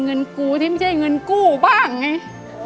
เงินกูที่ไม่ใช่เงินกู้บ้างไง